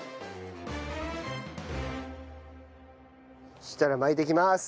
そしたら巻いていきます。